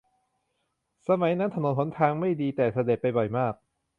สมัยนั้นถนนหนทางก็ไม่ดีแต่เสด็จไปบ่อยมาก